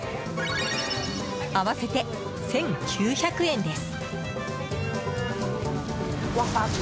合わせて１９００円です。